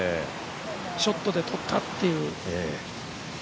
ショットで取ったっていう。